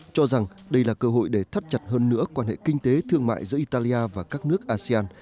cho rằng đây là cơ hội để thắt chặt hơn nữa quan hệ kinh tế thương mại giữa italia và các nước asean